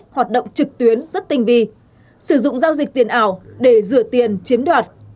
hoạt động trực tuyến rất tinh vi sử dụng giao dịch tiền ảo để rửa tiền chiếm đoạt